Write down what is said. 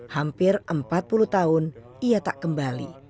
hampir empat puluh tahun ia tak kembali